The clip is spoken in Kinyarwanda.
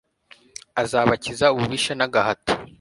azabakiza ububisha n'agahato